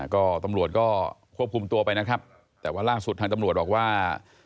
ก็ตำรวจก็ควบคุมตัวไปนะครับแต่ว่าล่าสุดทางตำรวจบอกว่า